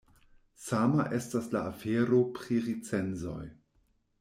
Sama estas la afero pri recenzoj.